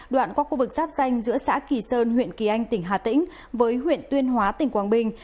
đoạn qua khu vực giáp danh giữa xã kỳ sơn huyện kỳ anh tỉnh hà tĩnh với huyện tuyên hóa tỉnh quảng bình